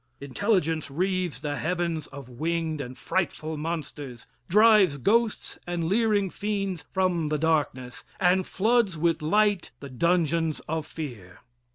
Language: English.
Intelligence reaves the heavens of winged and frightful monsters drives ghosts and leering fiends from the darkness, and floods with light the dungeons of fear.